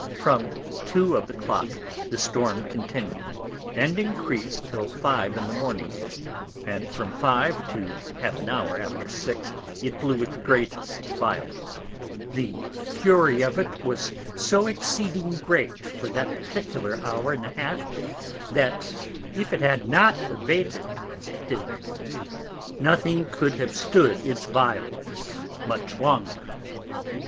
From Two of the Clock the Storm continued, and encreased till Five in the Morning; and from Five, to half an Hour after Six, it blew with the greatest Violence: the Fury of it was so exceeding great for that particular Hour and half, that if it had not abated as it did, nothing could have stood its Violence much longer.